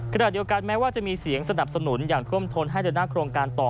ขณะเดียวกันแม้ว่าจะมีเสียงสนับสนุนอย่างท่วมทนให้เดินหน้าโครงการต่อ